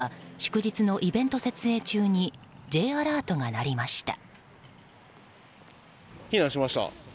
新潟市では祝日のイベント設営中にＪアラートが鳴りました。